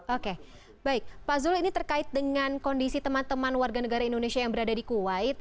oke baik pak zul ini terkait dengan kondisi teman teman warga negara indonesia yang berada di kuwait